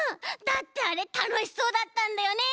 だってあれたのしそうだったんだよね。